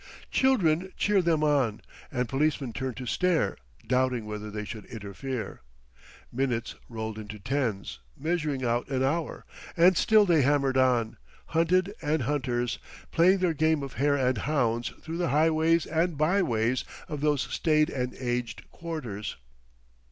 Children cheered them on, and policemen turned to stare, doubting whether they should interfere. Minutes rolled into tens, measuring out an hour; and still they hammered on, hunted and hunters, playing their game of hare and hounds through the highways and byways of those staid and aged quarters.